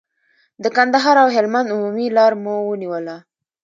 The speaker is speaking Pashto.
د کندهار او هلمند عمومي لار مو ونیوله.